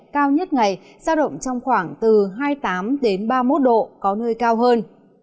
cao nhất ngày sao động trong khoảng từ hai mươi tám ba mươi một độ có nơi cao hơn